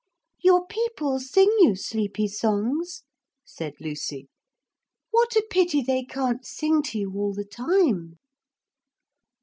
'Your people sing you sleepy songs,' said Lucy. 'What a pity they can't sing to you all the time.'